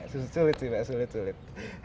sulit sih mbak sulit sulit